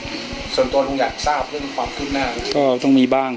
ถ้าใครอยากรู้ว่าลุงพลมีโปรแกรมทำอะไรที่ไหนยังไง